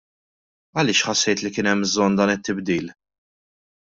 Għaliex ħassejt li kien hemm bżonn dan it-tibdil?